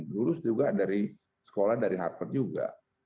lulus juga dari sekolah dari harvard juga